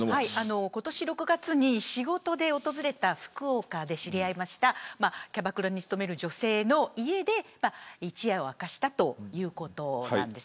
今年６月に仕事で訪れた福岡で知り合ったキャバクラに勤める女性の家で一夜を明かしたということです。